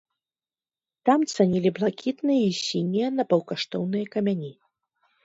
Там цанілі блакітныя і сінія напаўкаштоўныя камяні.